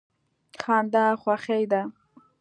خندا خوښي ده.